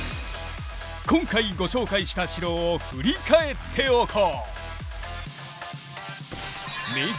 今回ご紹介した城を振り返っておこう。